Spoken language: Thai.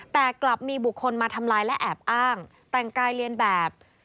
แต่กลับมีบุคคลมาทำลายและแอบอ้างแต่งกายเรียนแบบ